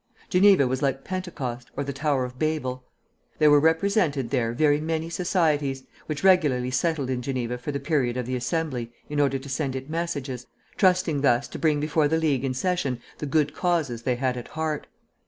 Geneva was like Pentecost, or the Tower of Babel. There were represented there very many societies, which regularly settled in Geneva for the period of the Assembly in order to send it messages, trusting thus to bring before the League in session the good causes they had at heart.